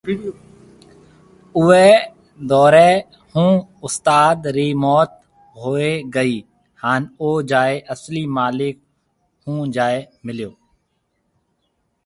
اوئي دئوري ھوناستاد ري موت ھوئي گئي ھان او جائي اصلي مالڪ ھونجائي مليو